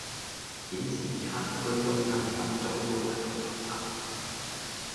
顯示卡驅動更新左都係有問題